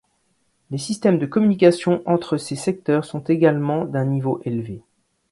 Les systèmes de communication entre ces secteurs sont également d'un niveau élevé.